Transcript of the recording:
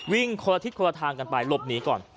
วิ่งคนละทิศคนละทางกันไปหลบหนีก่อน